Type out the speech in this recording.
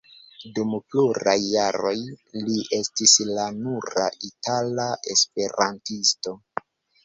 Dum pluraj jaroj li estis la nura itala esperantisto.